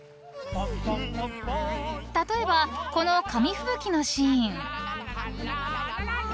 ［例えばこの紙吹雪のシーン］